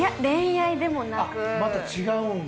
あっまた違うんだ。